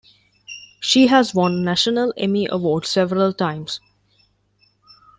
She has won national Emmy Awards several times.